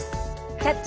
「キャッチ！